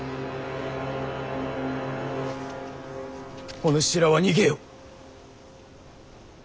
お主らは逃げよ。